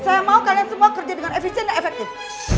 saya mau kalian semua kerja dengan efisien dan efektif